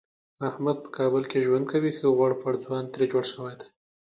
احمد په کابل کې ژوند کوي ښه غوړپېړ ځوان ترې جوړ شوی دی.